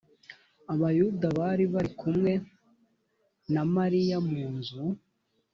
abayuda bari bari kumwe na mariya mu nzu